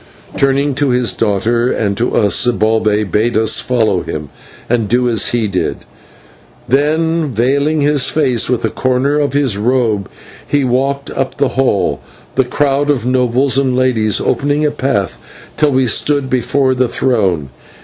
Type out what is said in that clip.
Turning to his daughter and to us, Zibalbay bade us follow him, and do as he did. Then, veiling his face with a corner of his robe, he walked up the hall, the crowd of nobles and ladies opening a path till we stood before the throne.